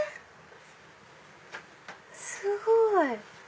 すごい！